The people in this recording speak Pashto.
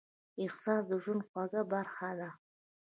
احساس د ژوند خوږه برخه ده.